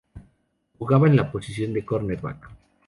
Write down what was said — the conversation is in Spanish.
Jugaba en la posición de cornerback.